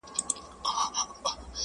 چي پیر مو سو ملګری د شیطان څه به کوو؟-